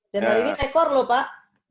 dan kali ini nekor lho pak